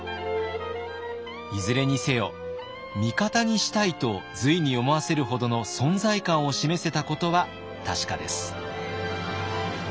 いずれにせよ「味方にしたい」と隋に思わせるほどの存在感を示せたことは確かです。